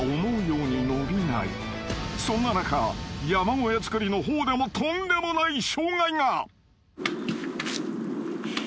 ［そんな中山小屋造りの方でもとんでもない障害が］